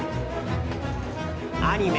アニメ